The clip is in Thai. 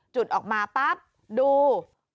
จุดจะออกมาดู